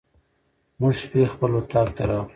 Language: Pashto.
موږ شپې خپل اطاق ته راغلو.